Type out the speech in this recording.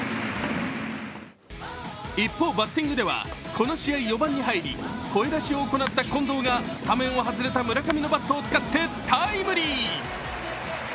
一方、バッティングではこの試合４番に入り声出しを行った近藤がスタメンを外れた村上のバットを使ってタイムリー。